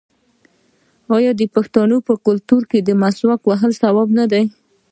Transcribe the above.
آیا د پښتنو په کلتور کې د مسواک وهل ثواب نه دی؟